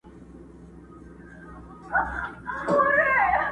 دا مېنه د پښتو ده څوک به ځي څوک به راځي.!